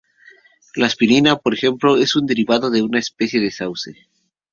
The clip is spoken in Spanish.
La aspirina, por ejemplo, es un derivado de una especie de sauce.